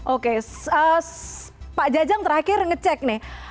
oke pak jajang terakhir ngecek nih